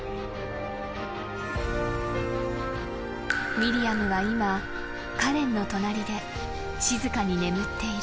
［ミリアムは今カレンの隣で静かに眠っている］